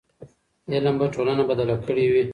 علم به ټولنه بدله کړې وي.